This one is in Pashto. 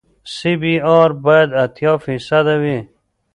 سی بي ار باید اتیا فیصده وي